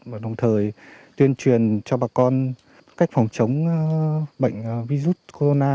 và đồng thời tuyên truyền cho bà con cách phòng chống bệnh virus corona